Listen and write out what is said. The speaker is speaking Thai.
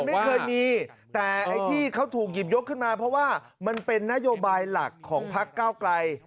ไม่เคยมีแต่ไอ้ที่เขาถูกหยิบยกขึ้นมาเพราะว่ามันเป็นนโยบายหลักของพักเก้าไกล